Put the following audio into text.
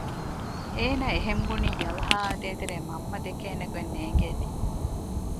އޭނަ އެހެން އެބުނީ ޔަލްހާއާއ ދޭތެރޭ މަންމަ ދެކޭނެ ގޮތް ނޭންގޭތީ